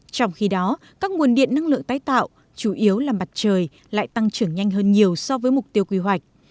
trong khi đó các nguồn điện năng lượng tái tạo chủ yếu là mặt trời lại tăng trưởng nhanh hơn nhiều so với mục tiêu quy hoạch